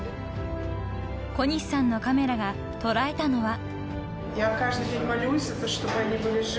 ［小西さんのカメラが捉えたのは］